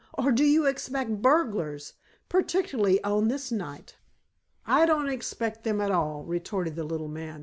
"Or do you expect burglars, particularly on this night." "I don't expect them at all," retorted the little man.